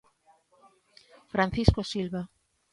Francisco Silva.